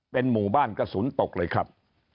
เป็นหมู่บ้านกระสุนตกเลยครับ